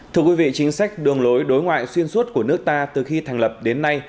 thưa quý vị chính sách đường lối đối ngoại xuyên suốt của nước ta từ khi thành lập đến nay